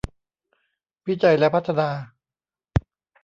วิจัยและพัฒนา